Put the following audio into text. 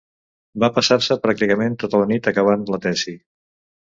Va passar-se pràcticament tota la nit acabant la tesi.